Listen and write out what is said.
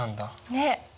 ねっ！